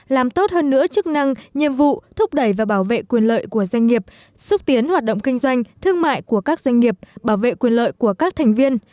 làm tốt hơn nữa chức năng nhiệm vụ thúc đẩy và bảo vệ quyền lợi của doanh nghiệp xúc tiến hoạt động kinh doanh thương mại của các doanh nghiệp bảo vệ quyền lợi của các thành viên